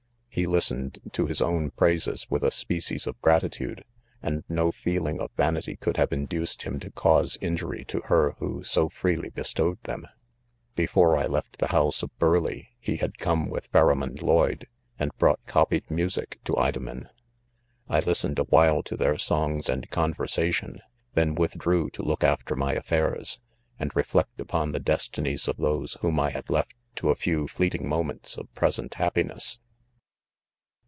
he listened to his own praises with a species of gratitude 5 and no feeling of vanity could have induced him to cause inju ry to her who so freely bestowed them. Be fore I left the house of Burleigh, he had come with Pharamond'Lloyde, and brought copied music to. Idomen. I listened awhile to their songs and conversation, then withdrew to look after my affairs, and reflect upon the destinies of those whom I had left to a few fleeting moments of present happiness.